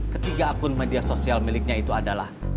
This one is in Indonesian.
ketiga akun sosial media miliknya itu adalah